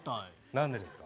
何でですか？